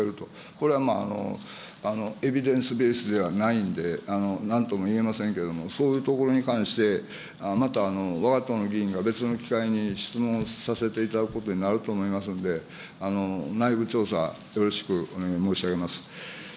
これはエビデンスベースではないんで、なんともいえませんけれども、そういうところに関して、また、わが党の議員が、別の機会に質問させていただくことになると思いますんで、内部調査、よろしくお願い申し上げます。